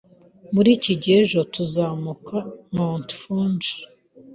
Muri iki gihe ejo, tuzamuka Mt. Fuji